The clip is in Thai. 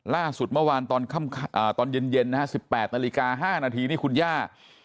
ล่าสุดเมื่อวานตอนเย็นนะฮะ๑๘นาฬิกา๕นาทีนี่คุณย่า